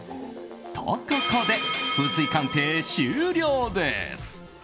と、ここで風水鑑定、終了です。